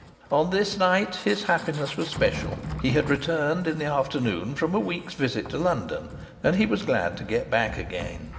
On this night his happiness was special; he had returned in the afternoon from a week's visit to London, and he was glad to get back again.